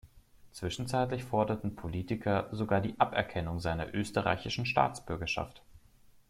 Zwischenzeitlich forderten Politiker sogar die Aberkennung seiner österreichischen Staatsbürgerschaft.